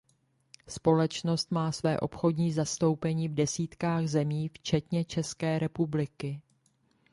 Společnost má své obchodní zastoupení v desítkách zemí včetně České republiky.